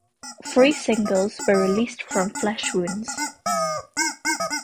Three singles were released from Fleshwounds.